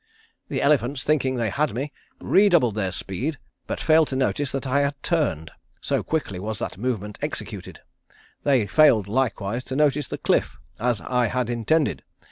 The elephants, thinking they had me, redoubled their speed, but failed to notice that I had turned, so quickly was that movement executed. They failed likewise to notice the cliff, as I had intended.